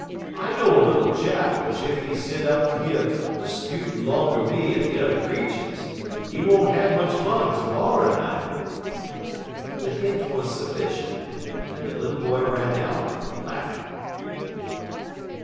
"I know a little chap w'ich ef he set up yer 'sputin' 'longer me en de t'er creeturs, he won't have much fun termorrer night." The hint was sufficient, and the little boy ran out laughing.